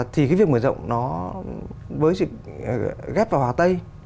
thì cái việc mở rộng nó với ghép vào hòa tây